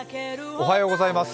おはようございます。